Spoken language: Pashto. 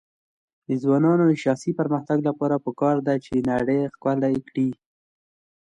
د ځوانانو د شخصي پرمختګ لپاره پکار ده چې نړۍ ښکلی کړي.